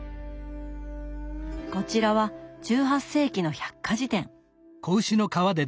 こちらは１８世紀の百科事典。